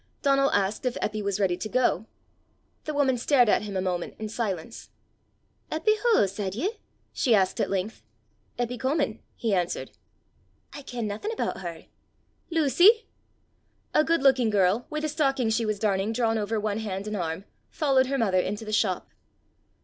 Donal asked if Eppy was ready to go. The woman stared at him a moment in silence. "Eppy wha, said ye?" she asked at length. "Eppy Comin," he answered. "I ken naething aboot her. Lucy!" A good looking girl, with a stocking she was darning drawn over one hand and arm, followed her mother into the shop.